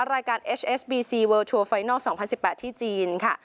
รายการเอชเอสบีซีเวิร์ลทัวร์ไฟนัลสองพันสิบแปดที่จีนค่ะ